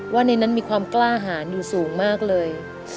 ว่าในนั้นมีความกล้าหารอยู่สูงมากเลย